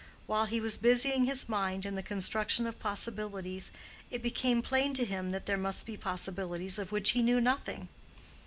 While he was busying his mind in the construction of possibilities, it became plain to him that there must be possibilities of which he knew nothing.